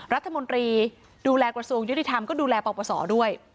รัฐมนตรีดูแลกระทรวงยุทธิธรรมก็ดูแลประวัติศาสตร์ด้วย